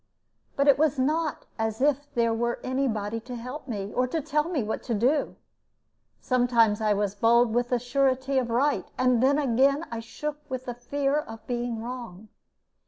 But it was not as if there were any body to help me, or tell me what to do; sometimes I was bold with a surety of right, and then again I shook with the fear of being wrong.